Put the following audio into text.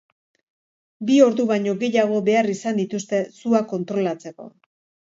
Bi ordu baino gehiago behar izan dituzte sua kontrolatzeko.